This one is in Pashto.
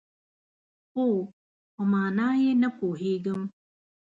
خو، په مانا یې نه پوهیږم